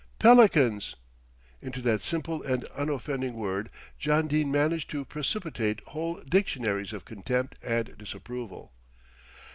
"Pelicans!" Into that simple and unoffending word John Dene managed to precipitate whole dictionaries of contempt and disapproval.